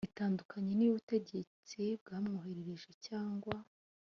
itandukanye n iy ubutegetsi bwamwohereje cyangwa